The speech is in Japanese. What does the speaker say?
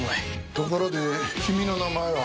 ところで君の名前は？